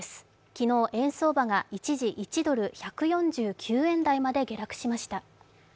昨日、円相場が一時１ドル＝１４９円台まで下落しました。